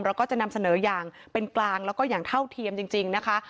เราก็จะนำเสนออย่างเป็นกลางแล้วก็อย่างเท่าเทียมจริงนะคะ